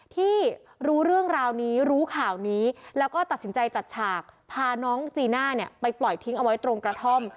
ที่รู้เรื่องราวนี้รู้ข่าวนี้แล้วก็ตัดสินใจจัดฉากพาน้องจีน่าเนี่ยไปปล่อยทิ้งเอาไว้ตรงกระท่อม